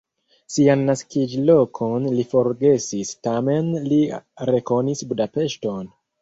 Sian naskiĝlokon li forgesis, tamen li rekonis Budapeŝton.